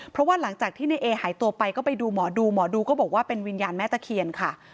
เพราะว่าหลังจากที่ในเอหายตัวไปก็ไปดูหมอดูหมอดูก็บอกว่าเป็นวิญญาณแม่ตะเคียนค่ะ